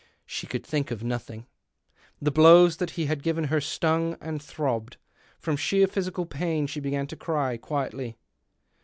She could think of nothing. The blows that he had given her stung and throbbed ; from sheer physical pain she began to cry — quietly.